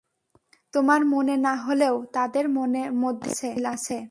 তোমার মনে না হলেও, তাদের মধ্যে মিল আছে।